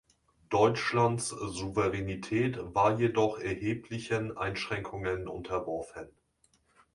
Deutschlands Souveränität war jedoch erheblichen Einschränkungen unterworfen.